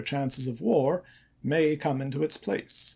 ' chances of war, may come into its place."